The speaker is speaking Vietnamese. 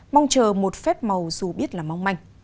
mong chờ một phép màu dù biết là mong manh